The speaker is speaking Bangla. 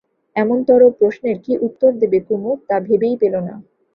এমনতরো প্রশ্নের কী উত্তর দেবে কুমু তা ভেবেই পেলে না।